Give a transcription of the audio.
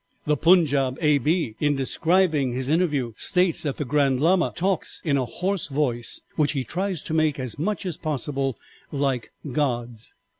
The Punjaub A.B. in describing his interview states that the Grand Lama talks in a hoarse voice which he tries to make as much as possible like God's.